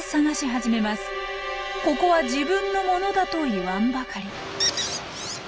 ここは自分のものだといわんばかり。